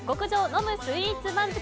飲むスイーツ番付。